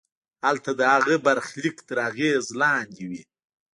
هلته د هغه برخلیک تر اغېز لاندې وي.